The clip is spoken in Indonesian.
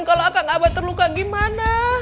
kalau kang abah terluka gimana